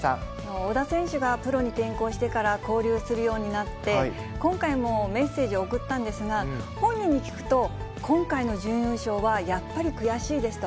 小田選手がプロに転向してから交流するようになって、今回もメッセージを送ったんですが、本人に聞くと、今回の準優勝はやっぱり悔しいですと。